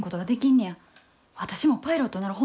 私もパイロットなろ。